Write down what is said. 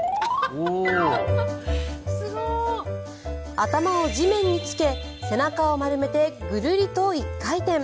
頭を地面につけ、背中を丸めてぐるりと１回転。